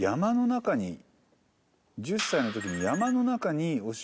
１０歳の時に。